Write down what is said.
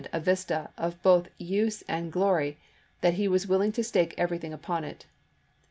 a vista of both use and glory that he was willing to stake everything upon it.